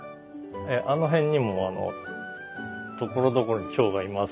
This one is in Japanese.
あの辺にもところどころにチョウがいます。